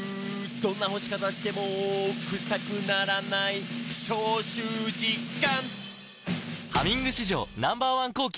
「どんな干し方してもクサくならない」「消臭実感！」